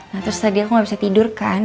nah terus tadi aku nggak bisa tidur kan